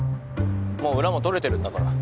もう裏も取れてるんだから。